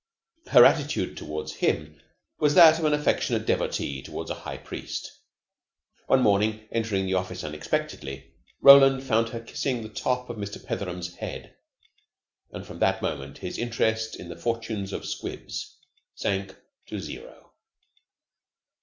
Her attitude toward him was that of an affectionate devotee toward a high priest. One morning, entering the office unexpectedly, Roland found her kissing the top of Mr. Petheram's head; and from that moment his interest in the fortunes of 'Squibs' sank to zero.